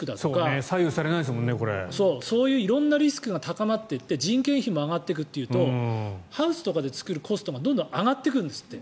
そういう色んなリスクが高まっていって人件費も上がっていくってなるとハウスとかで作るコストがどんどん上がってくんですって。